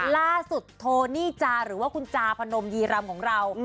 ล่าสุดโทนี่จาหรือว่าคุณจาพนมยีรำของเรา